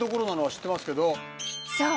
そう。